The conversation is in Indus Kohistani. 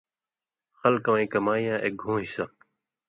خلکہ وَیں کمائی یاں اک گھوں حصہ